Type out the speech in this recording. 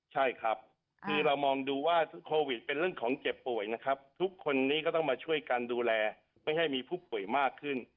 ใช่ครับคือเรามองดูว่าโควิดเป็นเรื่องของเจ็บป่วยนะครับทุกคนนี้ก็ต้องมาช่วยกันดูแลไม่ให้มีผู้ป่วยมากขึ้น